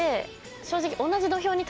正直。